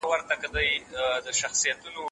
د پانګوالۍ لپاره امنیت اړین دی.